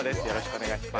お願いします